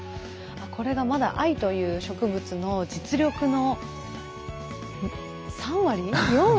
これがまだ藍という植物の実力の３割４割？